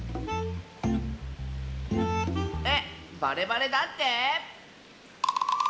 えっバレバレだって？